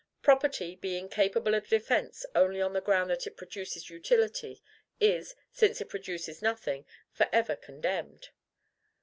Property, being capable of defence only on the ground that it produces utility, is, since it produces nothing, for ever condemned.